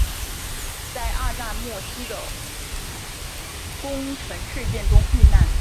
在二战末期的宫城事件中遇难。